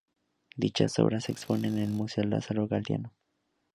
Dichas obras se exponen en el Museo Lázaro Galdiano.